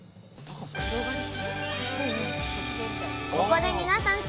ここで皆さん注目！